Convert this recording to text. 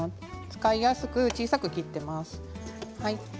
使いやすく小さく切っています。